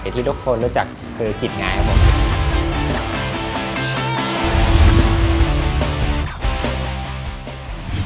ที่ทุกคนรู้จักคือกิจงายครับผม